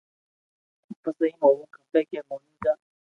پسي ايم ھووُ کپي ڪي موني جا